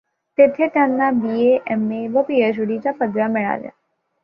तेथे त्यांना BA, MA व पीएचडी च्या पदव्या मिळाल्या.